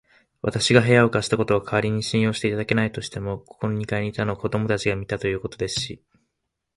わたしが部屋を貸したことは、かりに信用していただけないとしても、ここの二階にいたのを子どもたちが見たということですし、